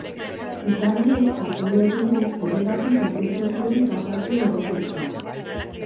Izan ere, argudiatu du, horregatik aurkeztu zuen kasazio errekurtsoa.